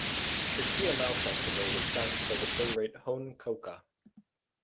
The Kia Mau Festival was founded by playwright Hone Kouka.